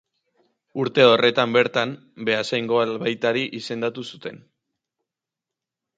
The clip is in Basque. Urte horretan bertan, Beasaingo albaitari izendatu zuten.